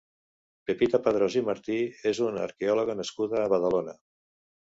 Pepita Padrós i Martí és una arqueòloga nascuda a Badalona.